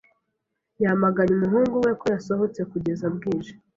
Yamaganye umuhungu we ko yasohotse kugeza bwije.